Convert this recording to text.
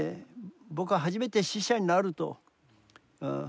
僕は初めて死者になると。